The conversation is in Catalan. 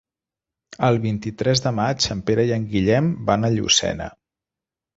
El vint-i-tres de maig en Pere i en Guillem van a Llucena.